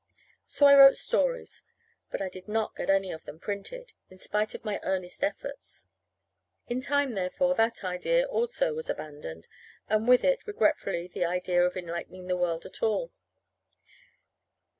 So I wrote stories but I did not get any of them printed, in spite of my earnest efforts. In time, therefore, that idea, also, was abandoned; and with it, regretfully, the idea of enlightening the world at all.